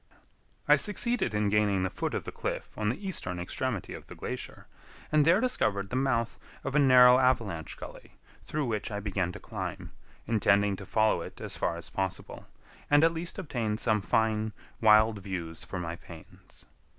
I succeeded in gaining the foot of the cliff on the eastern extremity of the glacier, and there discovered the mouth of a narrow avalanche gully, through which I began to climb, intending to follow it as far as possible, and at least obtain some fine wild views for my pains.